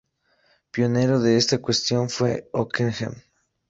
Pionero de esta cuestión fue Ockeghem.